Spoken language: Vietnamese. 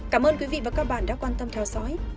cảm ơn quý vị và các bạn đã quan tâm theo dõi